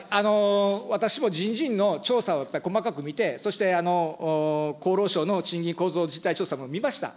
私も人事院の調査を細かく見て、そして厚労省の賃金構造実態調査も見ました。